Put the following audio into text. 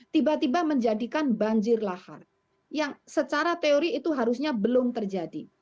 tiba tiba menjadikan banjir lahar yang secara teori itu harusnya belum terjadi